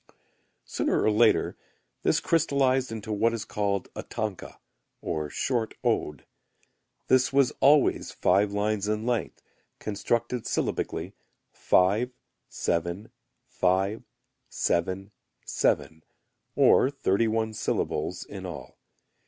Sooner or later this crystallized into what is called a tanka or short ode. This was always five lines in length, constructed syllabically 5, 7, 5, 7, 7, or thirty one syllables in all.